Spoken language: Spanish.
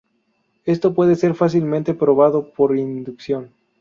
Esto puede ser fácilmente probado por inducción.